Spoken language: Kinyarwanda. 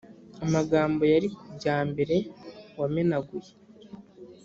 amagambo yari ku bya mbere wamenaguye;